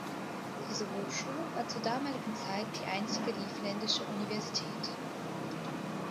Diese Hochschule war zur damaligen Zeit die einzige livländische Universität.